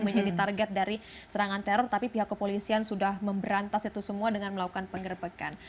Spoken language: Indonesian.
menjadi target dari serangan teror tapi pihak kepolisian sudah memberantas itu semua dengan melakukan pengerebekan